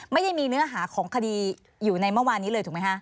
ไม่ได้มีเนื้อหาของคดีอยู่ในเมื่อวานนี้เลยถูกไหมคะ